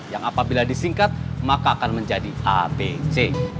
yang apabila disingkat maka akan menjadi abc